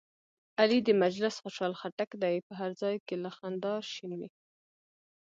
علي د مجلس خوشحال خټک دی، په هر ځای کې له خندا شین وي.